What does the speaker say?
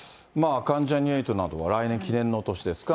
関ジャニ∞などは来年、記念の年ですか。